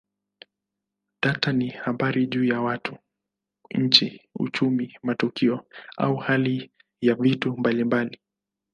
Data ni habari juu ya watu, nchi, uchumi, matukio au hali ya vitu mbalimbali.